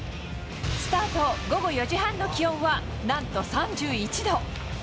スタート午後４時半の気温は何と３１度。